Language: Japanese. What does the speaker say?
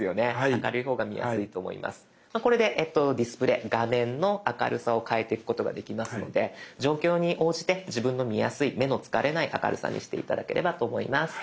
これでディスプレイ画面の明るさを変えていくことができますので状況に応じて自分の見やすい目の疲れない明るさにして頂ければと思います。